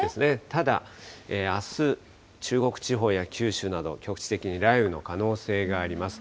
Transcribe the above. ただ、あす、中国地方や九州など、局地的に雷雨の可能性があります。